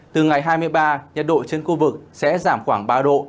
từ ngày hai mươi ba nhiệt độ trên khu vực sẽ giảm khoảng ba độ